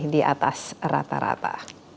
di atas rata rata